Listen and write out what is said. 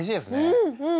うんうん。